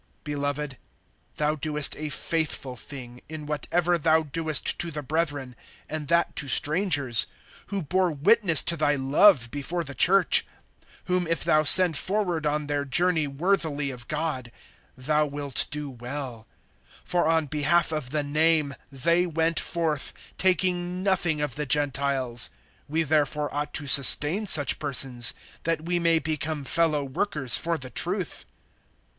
(5)Beloved, thou doest a faithful thing, in whatever thou doest to the brethren, and that to strangers, (6)who bore witness to thy love before the church; whom if thou send forward on their journey worthily of God, thou wilt do well; (7)for on behalf of the NAME they went forth, taking nothing of the Gentiles. (8)We therefore ought to sustain such persons, that we may become fellow workers for the truth.